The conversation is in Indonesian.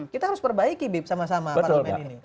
kita harus perbaiki sama sama parlemen ini